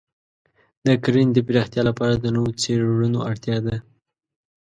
د کرنې د پراختیا لپاره د نوو څېړنو اړتیا ده.